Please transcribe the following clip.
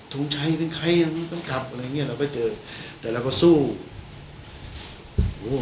ทงชัยเป็นใครต้องกลับอะไรอย่างเงี้ยเราก็เจอแต่เราก็สู้โอ้โห